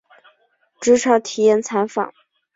职场体验参访